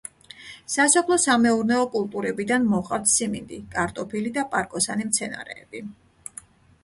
სასოფლო-სამეურნეო კულტურებიდან მოჰყავთ სიმინდი, კარტოფილი და პარკოსანი მცენარეები.